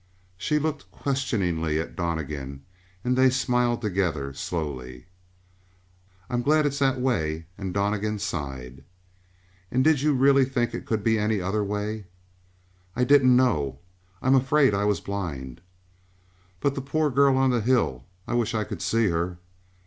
She looked questioningly at Donnegan and they smiled together, slowly. "I I'm glad it's that way," and Donnegan sighed. "And did you really think it could be any other way?" "I didn't know. I'm afraid I was blind." "But the poor girl on the hill; I wish I could see her."